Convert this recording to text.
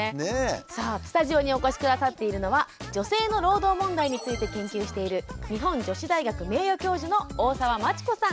さあスタジオにお越し下さっているのは女性の労働問題について研究している日本女子大学名誉教授の大沢真知子さん。